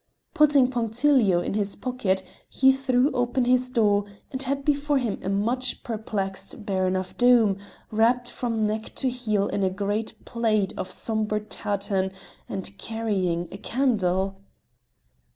Putting punctilio in his pocket, he threw open his door, and had before him a much perplexed Baron of Doom, wrapped from neck to heel in a great plaid of sombre tartan and carrying a candle!